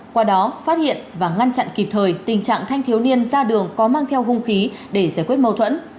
qua đó phát hiện và ngăn chặn kịp thời tình trạng thanh thiếu niên ra đường có mang theo hung khí để giải quyết mâu thuẫn